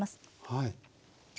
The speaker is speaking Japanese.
はい。